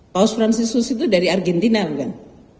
faust francis huss itu dari argentina kan